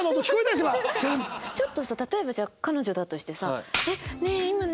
ちょっとさ例えばじゃあ彼女だとしてさねえ今ね。